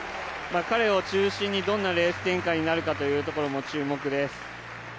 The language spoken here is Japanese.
彼を中心にどんなレース展開になるかというところも注目です。